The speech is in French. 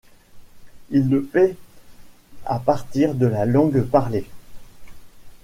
Il le fait à partir de la langue parlée.